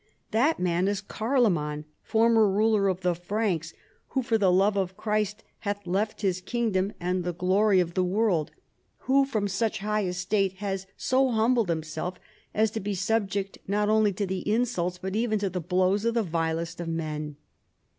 " That man is Carloman, formerly ruler of the Franks, who, for the love of Christ hath left his kingdom and the glory of 70 CHARLEMAGNE. the world : who from such high estate has so hum. bled liiraself as to be subject not only to the insults but even to the blows of the vilest of men."